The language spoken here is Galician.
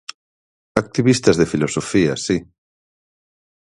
Activistas de Filosofía Si.